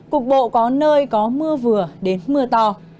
cục bộ có nơi có mưa vừa đến mưa to